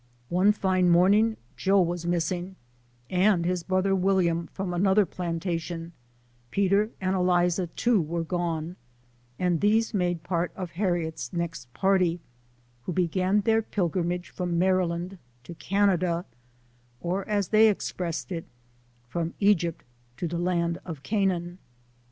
One fine morning Joe w r as missing, and his brother William, from another plantation ; Peter and Eliza, too, were gone ; and these made part of Harriet's next party, who began their pilgrimage from Maryland to Canada, or as they expressed it, from " Egypt to de land of Canaan."